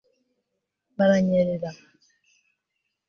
baranyerera